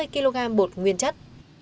tám mươi kg bột nguyên chất